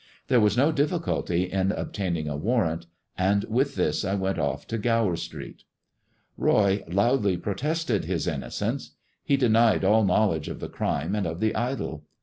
There was no difficulty in obtaining a warrant, and with this I went off to Gower Street. Roy loudly protested his innocence. He denied all knowledge of the crime and of the idol.